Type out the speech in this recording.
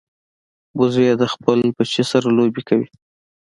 وزې د خپل بچي سره لوبې کوي